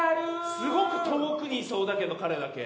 すごく遠くにいそうだけど彼だけ。